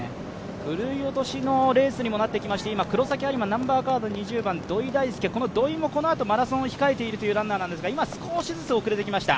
振るい落としのレースにもなってきまして、今、黒崎播磨２０番、土井大輔、土井もこのあとマラソンを控えているというランナーなんですが今少しずつ遅れてきました。